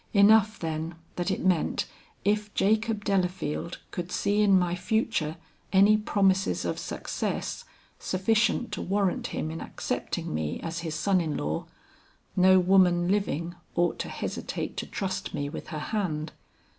Enough, then, that it meant, if Jacob Delafield could see in my future any promises of success sufficient to warrant him in accepting me as his son in law, no woman living ought to hesitate to trust me with her hand.